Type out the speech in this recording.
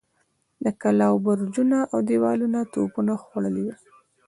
د کلاوو برجونه اودېوالونه توپونو خوړلي ول.